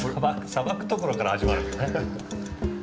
さばくところから始まるのね。